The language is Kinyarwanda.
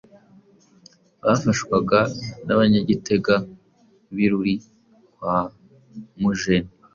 bafashwaga n’Abanyagitenga b’ I Ruli kwa Mujeni.